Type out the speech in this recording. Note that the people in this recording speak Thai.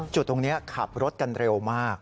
จุดตรงนี้ขับรถกันเร็วมาก